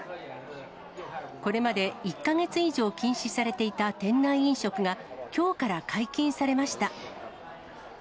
これまで１か月以上禁止されていた店内飲食が、きょうから解禁されました。